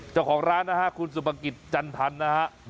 เจ้าของร้านคุณสุภกิจจันทรรณนะครับ